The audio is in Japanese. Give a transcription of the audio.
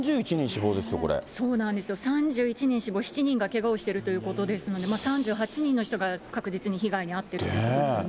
そうなんですよ、３１人死亡、７人がけがをしているということなんで、３８人の人が確実に被害に遭ってるってことですよね。